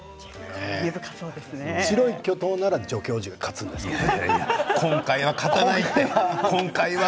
「白い巨塔」なら助教授が勝つんですけどね。